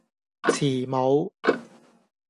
慈母